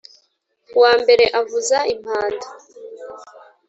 Uwa mbere avuza impanda.